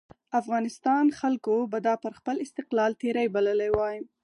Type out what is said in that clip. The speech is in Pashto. افغانستان خلکو به دا پر خپل استقلال تېری بللی وای.